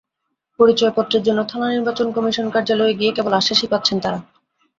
পরিচয়পত্রের জন্য থানা নির্বাচন কমিশন কার্যালয়ে গিয়ে কেবল আশ্বাসই পাচ্ছেন তাঁরা।